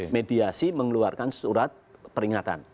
mediasi mengeluarkan surat peringatan